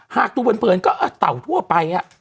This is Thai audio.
หากตรูเผื่ออ่ะก็เต่าทั่วไป